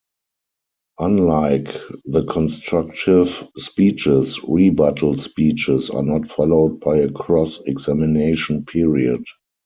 Unlike the constructive speeches, rebuttal speeches are not followed by a cross-examination period.